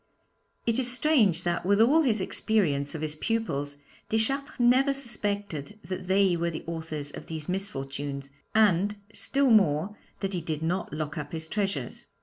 It is strange that, with all his experience of his pupils, Deschartres never suspected that they were the authors of these misfortunes, and, still more, that he did not lock up his treasures.